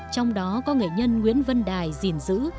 trong đó có nghệ nhân nguyễn vân đài dình dữ